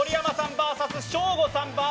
ＶＳショーゴさん